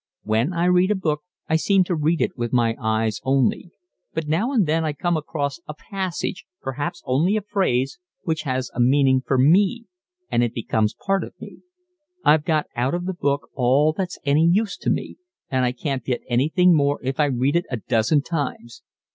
When I read a book I seem to read it with my eyes only, but now and then I come across a passage, perhaps only a phrase, which has a meaning for ME, and it becomes part of me; I've got out of the book all that's any use to me, and I can't get anything more if I read it a dozen times.